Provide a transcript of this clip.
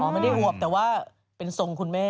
ไม่ได้อวบแต่ว่าเป็นทรงคุณแม่